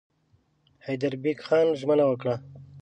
حیدربېګ خان ژمنه وکړه.